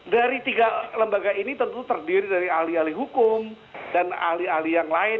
dari tiga lembaga ini tentu terdiri dari ahli ahli hukum dan ahli ahli yang lain